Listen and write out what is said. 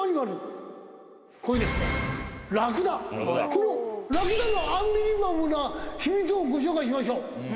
このラクダのアンビリバボーな秘密をご紹介しましょう。